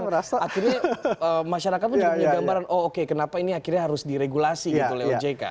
akhirnya masyarakat pun juga punya gambaran oh oke kenapa ini akhirnya harus diregulasi gitu oleh ojk